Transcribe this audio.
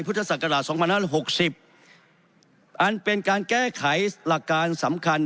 พุทธศักราชสองปะนานหกสิบอันเป็นการแก้ไขหลักษณ์สำคัญ